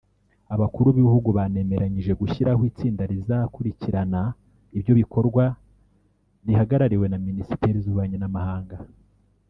Abakuru b’ibihugu banemeranyije gushyiraho itsinda rizakurikirana ibyo bikorwa rihagarariwe na Minisiteri z’ububanyi n’amahanga